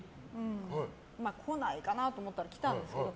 来ないかなと思ったら来たんですけど。